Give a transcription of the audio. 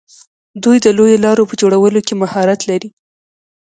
دوی د لویو لارو په جوړولو کې مهارت لري.